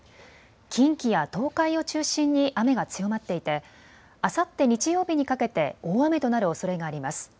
近畿や東海を中心に雨が強まっていてあさって日曜日にかけて大雨となるおそれがあります。